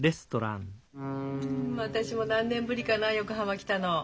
私も何年ぶりかな横浜来たの。